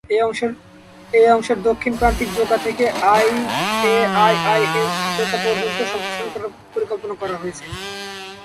এই অংশের দক্ষিণ প্রান্তিক জোকা থেকে আইআইএম জোকা পর্যন্ত সম্প্রসারণ করার পরিকল্পনা করা হয়েছে।